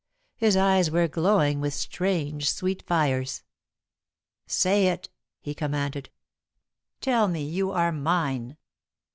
His eyes were glowing with strange, sweet fires. "Say it!" he commanded. "Tell me you are mine!"